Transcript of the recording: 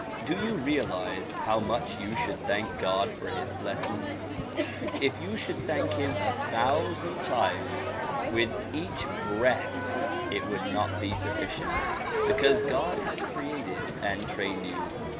Do you realize how much you should thank God for his blessings ? If you should thank him a thousand times with each breath it would not be sufficient, because God has created and trained you.